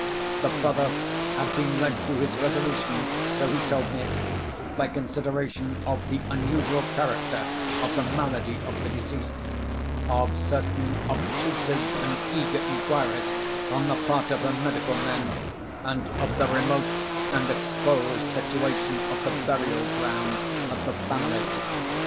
The brother had been led to his resolution (so he told me) by consideration of the unusual character of the malady of the deceased, of certain obtrusive and eager inquiries on the part of her medical men, and of the remote and exposed situation of the burial ground of the family.